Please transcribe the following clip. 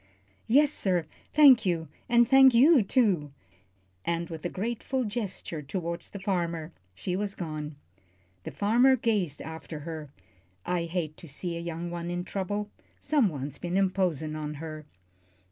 "Yes, sir thank you; and thank you, too," and with a grateful gesture toward the farmer, she was gone. The farmer gazed after her. "I hate to see a young one in trouble. Someone's been imposin' on her."